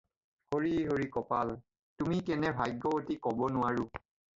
হৰি, হৰি, কঁপাল!-তুমি কোন ভাগ্যৱতী ক'ব নোৱাৰোঁ।